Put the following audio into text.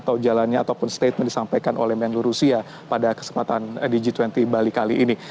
atau jalannya ataupun statement disampaikan oleh menlu rusia pada kesempatan di g dua puluh bali kali ini